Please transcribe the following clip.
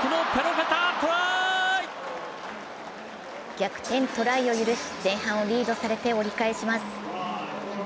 逆転トライを許し前半をリードされて折り返します。